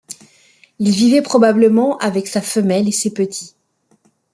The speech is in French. Il vivait probablement avec sa femelle et ses petits.